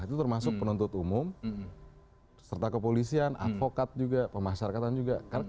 itu termasuk penuntut umum serta kepolisian advokat juga pemasyarakatan juga